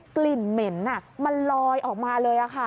กลิ่นเหม็นมันลอยออกมาเลย